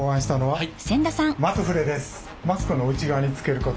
はい。